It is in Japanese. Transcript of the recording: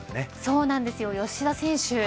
そうなんです、吉田選手。